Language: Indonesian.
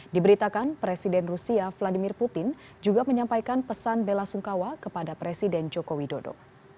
diberitakan presiden rusia vladimir putin juga menyampaikan pesan bela sungkawa kepada presiden joko widodo